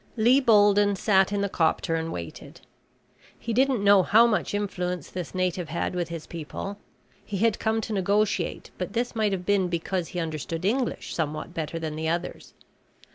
Lee Bolden sat in the copter and waited. He didn't know how much influence this native had with his people. He had come to negotiate, but this might have been because he understood English somewhat better than the others.